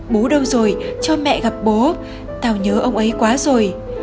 bố đâu rồi cho mẹ gặp bố thảo nhớ ông ấy quá rồi